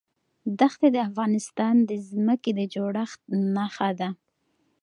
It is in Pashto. دښتې د افغانستان د ځمکې د جوړښت نښه ده.